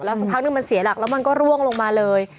สักพักนึงมันเสียหลักแล้วมันก็ร่วงลงมาเลย